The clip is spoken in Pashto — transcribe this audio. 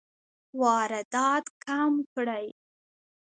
واردات کم کړئ